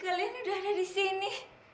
kalian udah ada disini